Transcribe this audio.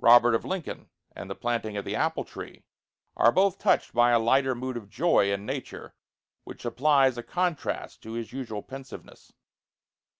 'Robert of Lincoln,' and 'The Planting of the Apple Tree' are both touched with a lighter mood of joy in nature, which supplies a contrast to his usual pensiveness.